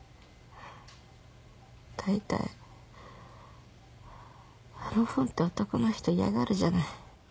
だいたいあの本って男の人嫌がるじゃない。